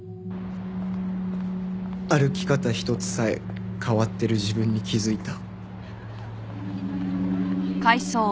歩き方一つさえ変わってる自分に気づいた。